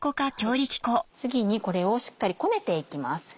次にこれをしっかりこねていきます。